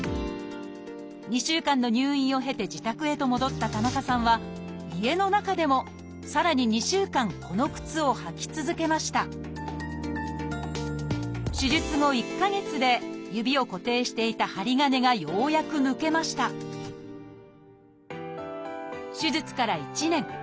２週間の入院を経て自宅へと戻った田中さんは家の中でもさらに２週間この靴を履き続けました手術後１か月で指を固定していた針金がようやく抜けました手術から１年。